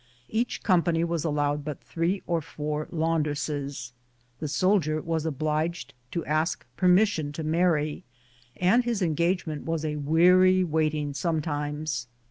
Each company was allowed but three or four laundress es. The soldier was obliged to ask permission to mar ry, and his engagement was a weary waiting sometimes.